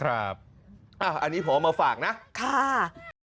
อันนี้ผมเอามาฝากนะค่ะ